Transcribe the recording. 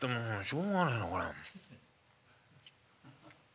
しょうがねえなこれ」。